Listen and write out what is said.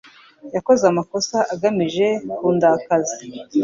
Yakoze amakosa agamije kundakaza.